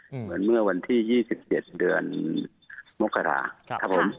เหมือนเมื่อวันที่๒๗เดือนมกฏา